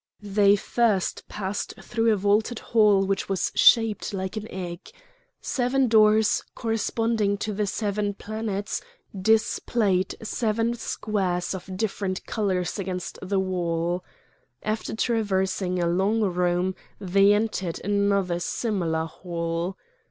They first passed through a vaulted hall which was shaped like an egg. Seven doors, corresponding to the seven planets, displayed seven squares of different colours against the wall. After traversing a long room they entered another similar hall.